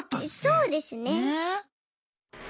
そうですね。